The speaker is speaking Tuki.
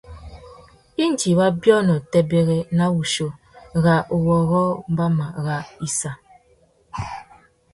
Indi wa biônô têbêrê na wuchiô râ uwôrrô mbama râ issa.